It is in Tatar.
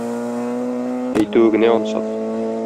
Әйтүе генә ансат.